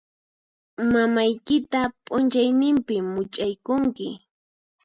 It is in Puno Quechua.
Mamaykita p'unchaynimpi much'aykunki.